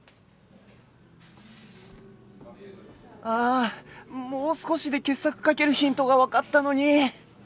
ああもう少しで傑作書けるヒントがわかったのに！